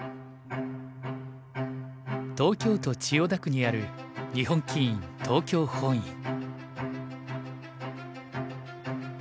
東京都千代田区にある日本棋院東京本院。